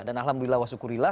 dan alhamdulillah wa syukurillah